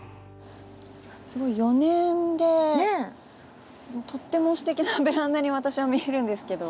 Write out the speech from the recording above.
４年でとってもすてきなベランダに私は見えるんですけど。